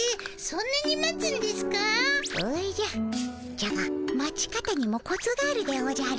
じゃが待ち方にもコツがあるでおじゃる。